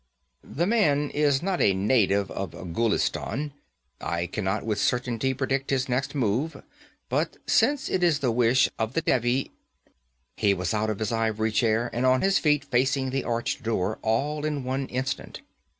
The man is not a native of Ghulistan. I cannot with certainty predict his next move. But since it is the wish of the Devi ' He was out of his ivory chair and on his feet facing the arched door, all in one instant.